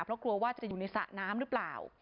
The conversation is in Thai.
เพราะกลัวว่าจะอยู่ในสระน้ำหรือเปล่า